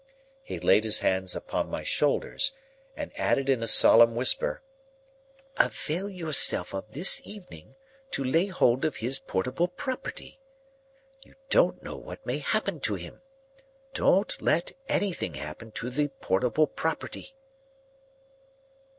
He laid his hands upon my shoulders, and added in a solemn whisper: "Avail yourself of this evening to lay hold of his portable property. You don't know what may happen to him. Don't let anything happen to the portable property."